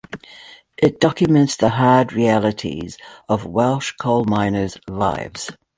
It documents the hard realities of Welsh coal miners' lives.